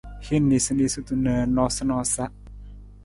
Hin niisaniisatu na noosanoosa.